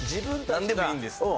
なんでもいいんですか？